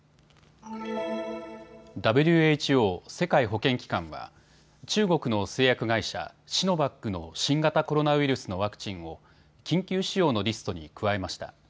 ＷＨＯ・世界保健機関は中国の製薬会社、シノバックの新型コロナウイルスのワクチンを緊急使用のリストに加えました。